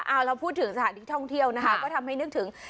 เอาเราพูดถึงสถานที่ท่องเที่ยวนะคะก็ทำให้นึกถึง